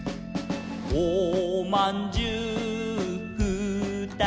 「おまんじゅうふーたつ」